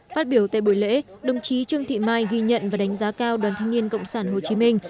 phát biểu tại buổi lễ đồng chí trương thị mai ghi nhận và đánh giá cao đoàn thanh niên cộng sản hồ chí minh